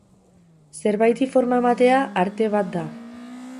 Zerbaiti forma ematea arte bat da.